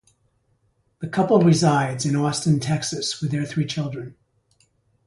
The couple resides in Austin, Texas with their three children.